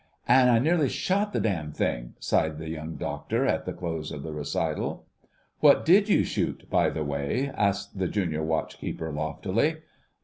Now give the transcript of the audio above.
"An' I nearly shot the damn thing," sighed the Young Doctor at the close of the recital. "What did you shoot, by the way?" asked the Junior Watch keeper loftily.